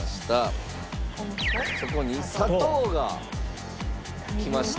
そこに砂糖がきました。